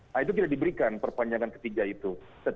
nah itu kita diberikan perpanjangan ketiga itu